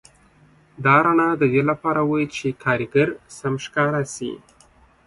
دا رڼا د دې لپاره وه چې کارګر سم ښکاره شي